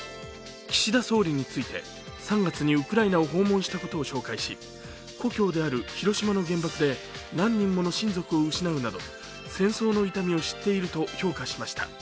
岸田総理について、３月にウクライナを訪問したことを紹介し故郷である広島の原爆で何人もの親族を失うなど戦争の痛みを知っていると評価しました。